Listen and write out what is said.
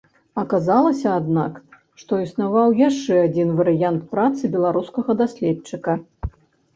Аказалася, аднак, што існаваў яшчэ адзін варыянт працы беларускага даследчыка.